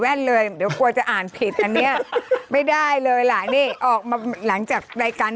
อ้านเลยเดี๋ยวเหมือนจำอ่านเมฆเนี้ยไม่ได้เลยล่ะนี่ออกมาเหล่าแบบนั้นตาม